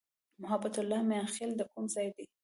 محبت الله "میاخېل" د کوم ځای دی؟